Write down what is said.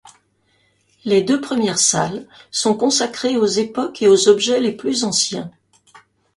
Les deux premières salles sont consacrées aux époques et aux objets les plus anciens.